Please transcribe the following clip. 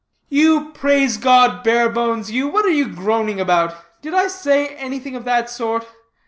"You Praise God Barebones you, what are you groaning about? Did I say anything of that sort?